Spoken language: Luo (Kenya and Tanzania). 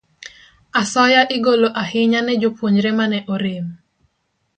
Asoya igolo ahinya ne jopuonjre ma ne orem.